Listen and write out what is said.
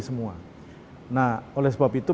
semua nah oleh sebab itu